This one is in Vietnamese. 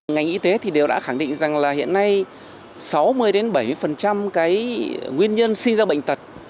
ngành y tế thì đều đã khẳng định rằng là hiện nay sáu mươi bảy mươi cái nguyên nhân sinh ra bệnh tật